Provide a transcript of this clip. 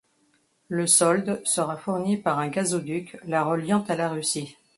Le solde sera fourni par un gazoduc la reliant à la Russie.